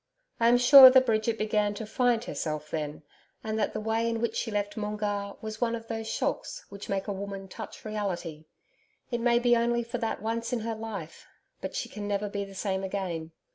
I am sure that Bridget began to 'find herself' then, and that the way in which she left Moongarr was one of those shocks which make a woman touch reality. It may be only for that once in her life, but she can never be the same again.